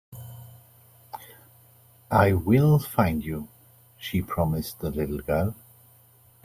"I will find you.", she promised the little girl.